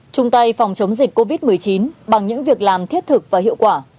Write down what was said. chung tay phòng chống dịch covid một mươi chín bằng những việc làm thiết thực và hiệu quả